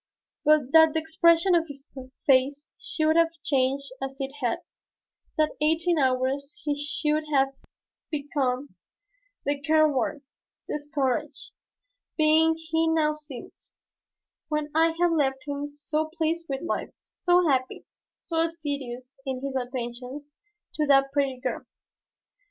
But that the expression of his face should have changed as it had, that in eighteen hours he should have become the careworn, discouraged being he now seemed, when I had left him so pleased with life, so happy, so assiduous in his attentions to that pretty girl.